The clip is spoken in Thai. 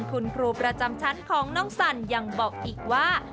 คุณครูประจำชั้นของน้องสันยังบอกอีกว่า